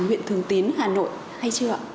nguyện thường tín hà nội hay chưa ạ